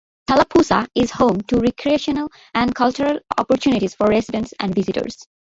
Tallapoosa is home to recreational and cultural opportunities for residents and visitors.